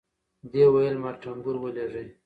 دې وويل ما ټنګور ولېږئ.